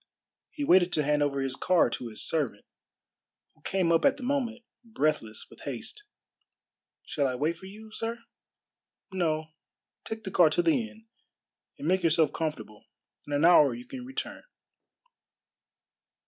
He waited to hand over his car to his servant, who came up at the moment, breathless with haste. "Shall I wait for you, sir?" "No, take the car to the inn, and make yourself comfortable. In an hour you can return."